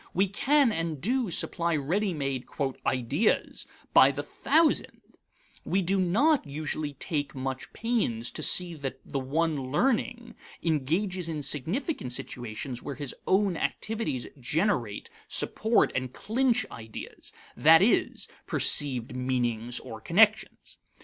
We can and do supply ready made "ideas" by the thousand; we do not usually take much pains to see that the one learning engages in significant situations where his own activities generate, support, and clinch ideas that is, perceived meanings or connections.